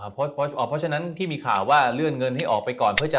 เพราะฉะนั้นที่มีข่าวว่าเลื่อนเงินให้ออกไปก่อนเพื่อจะ